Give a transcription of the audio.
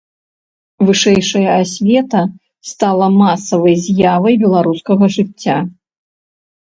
Вышэйшая асвета стала масавай з'явай беларускага жыцця.